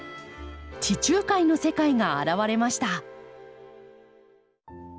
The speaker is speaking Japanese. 地中海の世界が現れました。